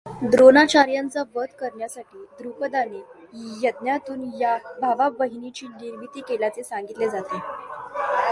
द्रोणाचार्यांचा वध करण्यासाठी द्रुपदाने यज्ञातून या भावा बहीणीची निर्मिती केल्याचे सांगितले जाते.